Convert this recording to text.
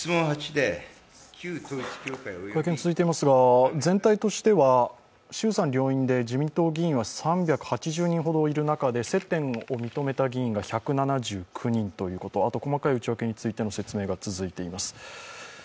会見が続いていますが、全体としては衆参両院で自民党議員は３８０人ほどいる中で接点を認めた議員が１７９人ということ、あと細かい内訳についての説明が続いています。